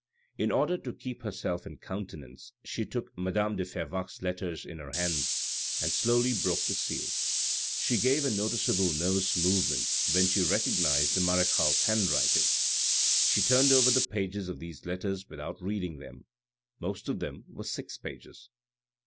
In order to keep herself in countenance, she took madame de Fervaques' letters in her hands, and slowly broke the seals. She gave a noticeable nervous movement when she recognised the marechale's handwriting. She turned over the pages of these letters without reading them. Most of them were six pages.